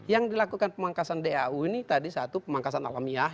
yang dilakukan pemangkasan dau ini tadi satu pemangkasan alamiah